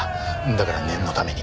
だから念のために。